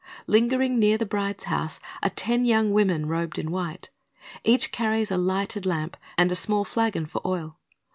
Lingering near the bride's house are ten young women robed in white. Each carries a lighted lamp, and a small flagon for oil.